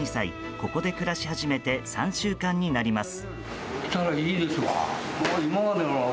ここで暮らし始めて３週間になります。